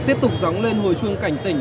tiếp tục dóng lên hồi chuông cảnh tỉnh